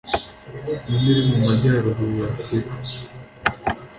Ninde uri mu majyaruguru y’afurika?